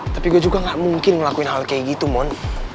tapi gue juga gak mungkin ngelakuin hal kayak gitu mony